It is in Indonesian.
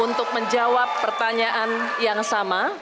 untuk menjawab pertanyaan yang sama